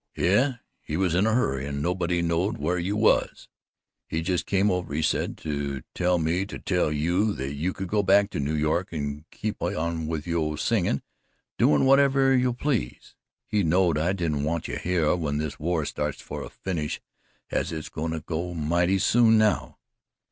"Yes, he was in a hurry an' nobody knowed whar you was. He jus' come over, he said, to tell me to tell you that you could go back to New York and keep on with yo' singin' doin's whenever you please. He knowed I didn't want you hyeh when this war starts fer a finish as hit's goin' to, mighty soon now.